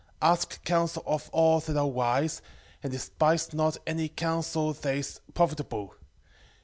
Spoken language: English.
4:18 Ask counsel of all that are wise, and despise not any counsel that is profitable.